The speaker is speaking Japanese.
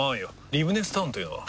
リブネスタウンというのは？